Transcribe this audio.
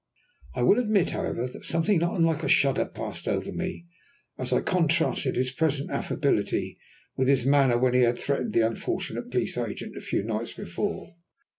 I will admit, however, that something not unlike a shudder passed over me as I contrasted his present affability with his manner when he had threatened the unfortunate Police Agent a few nights before.